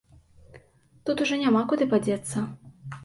Тут ужо няма куды падзецца.